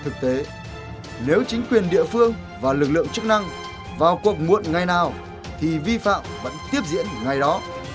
thực tế nếu chính quyền địa phương và lực lượng chức năng vào cuộc muộn ngày nào thì vi phạm vẫn tiếp diễn ngay đó